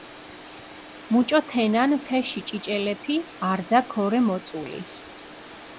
მუჭო თენან თეში ჭიჭელეფი არძა ქორე მოწული.